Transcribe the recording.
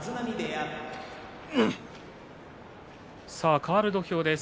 変わる土俵です。